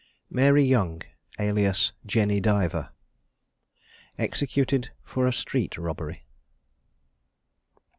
MARY YOUNG. ALIAS JENNY DIVER. EXECUTED FOR A STREET ROBBERY.